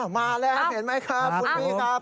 มาแล้วเห็นไหมครับ